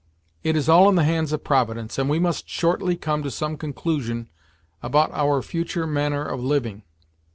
It is all in the hands of providence, and we must shortly come to some conclusion about our future manner of living.